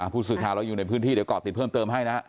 ผู้สื่อข่าวเราอยู่ในพื้นที่เดี๋ยวเกาะติดเพิ่มเติมให้นะฮะ